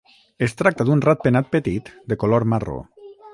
Es tracta d'un ratpenat petit de color marró.